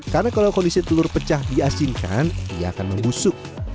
karena kalau kondisi telur pecah diasinkan ia akan membusuk